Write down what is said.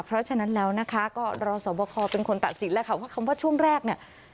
เพราะฉะนั้นแล้วนะคะก็รอสอบคอเป็นคนตัดสินแล้วค่ะว่าคำว่าช่วงแรกเนี่ย